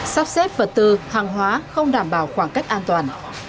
sắp xếp vật tư hàng hóa không đảm bảo khoảng cách an toàn